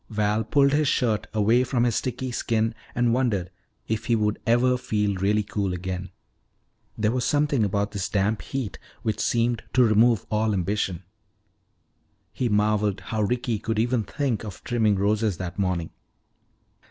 Val pulled his shirt away from his sticky skin and wondered if he would ever feel really cool again. There was something about this damp heat which seemed to remove all ambition. He marveled how Ricky could even think of trimming roses that morning.